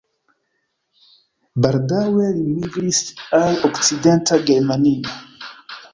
Baldaŭe li migris al Okcidenta Germanio.